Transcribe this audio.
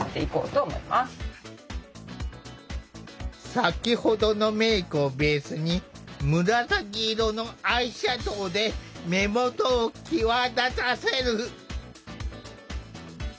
先ほどのメークをベースに紫色のアイシャドウで目元を際立たせる。